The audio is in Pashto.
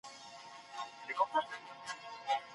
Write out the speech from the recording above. د حیواناتو سرکس هم یاد شوی دی.